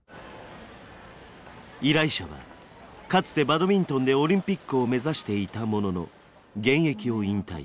依頼者はかつてバドミントンでオリンピックを目指していたものの現役を引退。